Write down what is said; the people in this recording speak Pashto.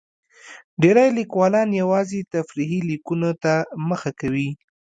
ډېری لیکوالان یوازې تفریحي لیکنو ته مخه کوي.